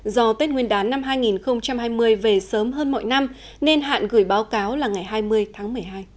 do tết nguyên đán năm hai nghìn hai mươi về sớm hơn mọi năm nên hạn gửi báo cáo là ngày hai mươi tháng một mươi hai